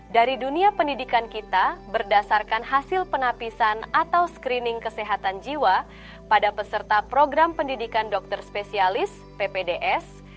dari dunia pendidikan kita berdasarkan hasil penapisan atau screening kesehatan jiwa pada peserta program pendidikan dokter spesialis ppds